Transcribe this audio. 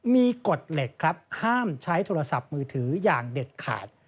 มีกฎเหล็กครับห้ามใช้โทรศัพท์มือถืออย่างเด็ดขาด